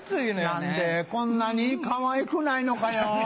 なんでこんなにかわいくないのかよ